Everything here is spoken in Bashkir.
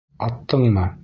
Аттыңмы?